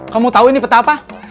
kamu tahu ini peta apa